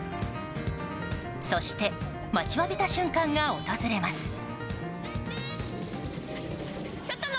そして待ちわびた瞬間が訪れます。